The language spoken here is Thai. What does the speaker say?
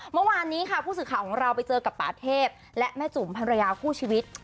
เมื่อวานนี้ค่ะผู้สื่อข่าวของเราไปเจอกับป่าเทพและแม่จุ๋มภรรยาคู่ชีวิต